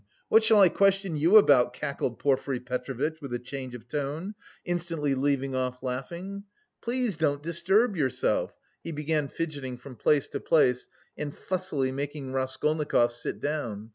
What shall I question you about?" cackled Porfiry Petrovitch with a change of tone, instantly leaving off laughing. "Please don't disturb yourself," he began fidgeting from place to place and fussily making Raskolnikov sit down.